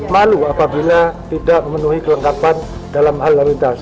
malu apabila tidak memenuhi kelengkapan dalam hal lalu lintas